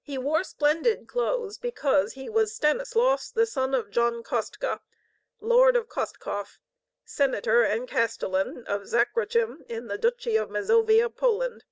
He wore splendid clothes, because he was Stanislaus, the son of John Kostka, Lord of Kostkov, Senator, and Castellan of Zakroczym in the Duchy of Mazovia, Poland.